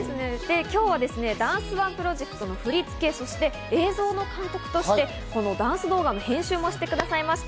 今日がダンスＯＮＥプロジェクトの振り付け、そして映像の監督としてこのダンス動画の編集もしてくださいました。